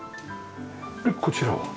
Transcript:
こちらは？